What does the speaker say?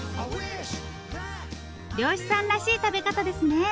漁師さんらしい食べ方ですね。